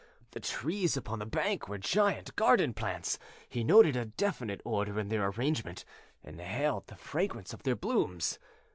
The trees upon the bank were giant garden plants; he noted a definite order in their arrangement, inhaled the fragrance of their blooms.